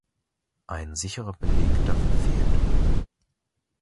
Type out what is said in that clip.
Ein sicherer Beleg dafür fehlt.